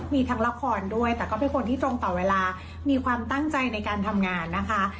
มีทั้งละครด้วยแต่ก็เป็นคนที่ตรงต่อเวลามีความตั้งใจในการทำงานนะคะ